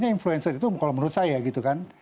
influencer itu kalau menurut saya gitu kan